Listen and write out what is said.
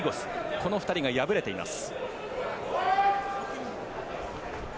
この２人が敗れています。